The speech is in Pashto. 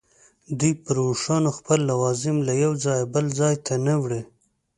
دوی پر اوښانو خپل لوازم له یوه ځایه بل ته نه وړي.